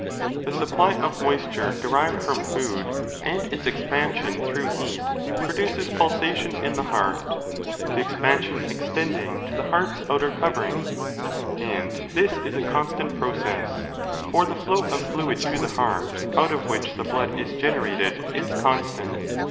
The supply of 5 moisture derived from food and its expansion through heat produces pulsation in the heart, — the expansion extending to the heart's outer covering. And this is a constant process, for the flow of fluid to the heart, out of which the blood is generated, is constant.